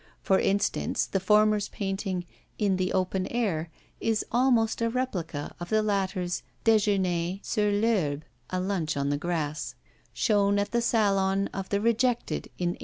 For instance, the former's painting, 'In the Open Air,' is almost a replica of the latter's Déjeuner sur l'Herbe ['A Lunch on the Grass'), shown at the Salon of the Rejected in 1863.